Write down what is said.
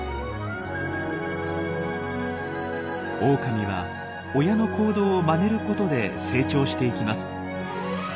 オオカミは親の行動をまねることで成長していきます。